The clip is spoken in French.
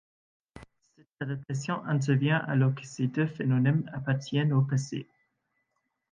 Cette adaptation intervient alors que ces deux phénomènes appartiennent au passé.